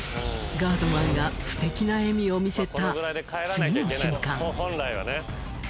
ガードマンが不敵な笑みを見せた次の瞬間。